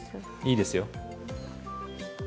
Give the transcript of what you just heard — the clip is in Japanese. いいですよ。